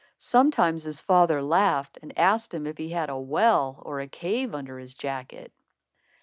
Sometimes his father laughed and asked him if he had a well, or a cave, under his jacket.